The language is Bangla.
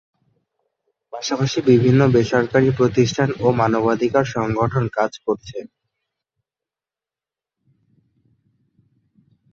পাশাপাশি বিভিন্ন বেসরকারী প্রতিষ্ঠান ও মানবাধিকার সংগঠন কাজ করছে।